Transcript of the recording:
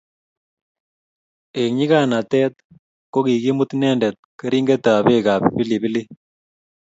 eng nyikanatet, ko kikimut inendet keringettab beekab pilipiliik